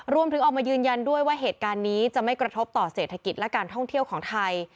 ออกมายืนยันด้วยว่าเหตุการณ์นี้จะไม่กระทบต่อเศรษฐกิจและการท่องเที่ยวของไทย